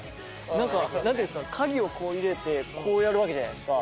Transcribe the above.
なんかなんていうんですか鍵をこう入れてこうやるわけじゃないですか。